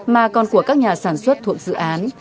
mà còn của các nhà sản xuất thuộc dự án